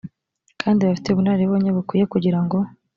kandi bafite ubunararibonye bukwiye kugira ngo